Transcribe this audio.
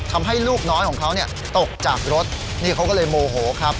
ทำให้ลูกน้อยของเขาเนี่ยตกจากรถนี่เขาก็เลยโหมโห